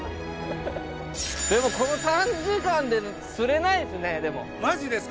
でもこの短時間で釣れないですね。